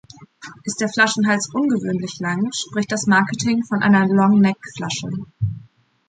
Ist der Flaschenhals ungewöhnlich lang, spricht das Marketing von einer "Long-Neck-Flasche".